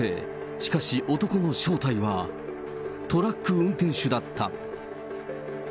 しかし男の正体は、トラック運転手だった。